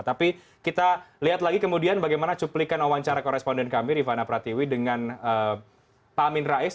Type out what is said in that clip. tapi kita lihat lagi kemudian bagaimana cuplikan wawancara koresponden kami rifana pratiwi dengan pak amin rais